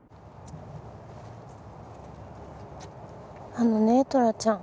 あのねトラちゃん。